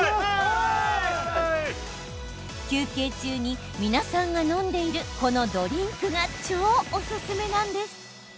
休憩中に皆さんが飲んでいるこのドリンクが超おすすめなんです。